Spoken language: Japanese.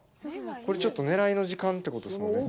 これ、ちょっと狙いの時間ってことですもんね。